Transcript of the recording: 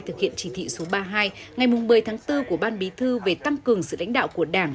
thực hiện chỉ thị số ba mươi hai ngày một mươi tháng bốn của ban bí thư về tăng cường sự lãnh đạo của đảng